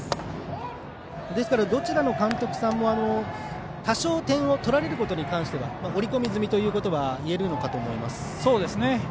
ですから、どちらの監督さんも多少、点を取られることに関しては織り込み済みということはいえるのかと思います。